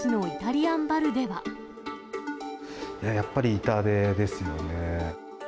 やっぱり痛手ですよね。